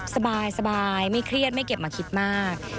สบายไม่เครียดไม่เก็บมาคิดมาก